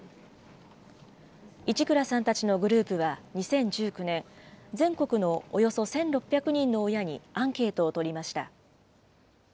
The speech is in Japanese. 市倉さんたちのグループは２０１９年、全国のおよそ１６００人の親にアンケートを取りました。